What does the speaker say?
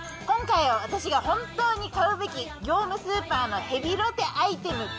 今回、私が本当に買うべき業務スーパーのヘビロテアイテム